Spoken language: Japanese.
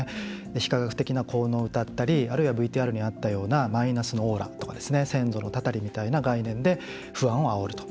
非科学的な効能をうたったりあるいはＶＴＲにあったようなマイナスのオーラとか先祖のたたりみたいな概念で不安をあおると。